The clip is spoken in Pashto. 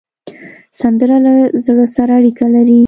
سندره له زړه سره اړیکه لري